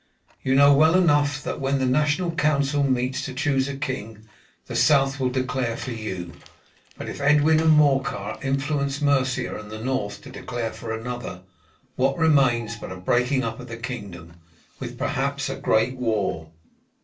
You know well enough that when the national council meets to choose a king the South will declare for you. But if Edwin and Morcar influence Mercia and the North to declare for another, what remains but a breaking up of the kingdom, with perhaps a great war?"